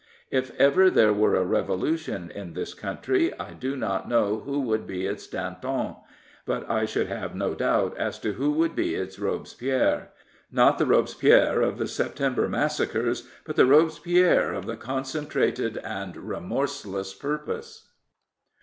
If ever there were a revolution in this country, I do not know who would be its Danton, but I should have no doubt as to who would be its Robespierre — not the Robespierre of the September massacres, but the Robespierre of the concentrated and remorseless purpose.